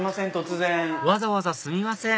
わざわざすみません